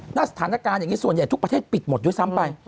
สถานการณ์อย่างนี้ส่วนใหญ่ทุกประเทศปิดหมดด้วยซ้ำไป